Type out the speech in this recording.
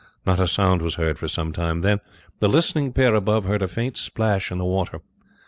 Not a sound was heard for some time, then the listening pair above heard a faint splash in the water.